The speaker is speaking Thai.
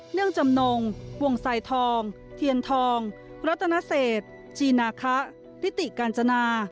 ื่องจำนงวงสายทองเทียนทองรัตนเศษจีนาคะทิติกาญจนา